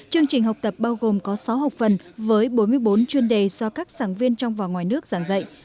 chương trình học tập bao gồm có sáu học phần với bốn mươi bốn chuyên đề do các sản viên trong và ngoài nước giảng dạy